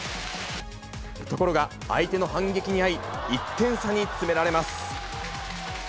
ところが、相手の反撃に遭い、１点差に詰められます。